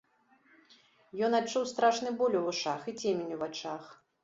Ён адчуў страшны боль у вушах і цемень у вачах.